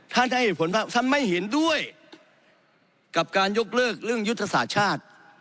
ให้เหตุผลว่าท่านไม่เห็นด้วยกับการยกเลิกเรื่องยุทธศาสตร์ชาติ